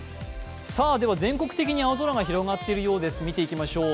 全国的に青空が広がっているようです、見ていきましょう。